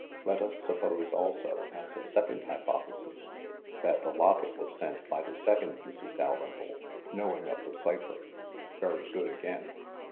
Let us sup pose, also, as a second hypothesis, that the locket was sent by the second Mrs. Dalrymple, knowing of the cipher. Very good again.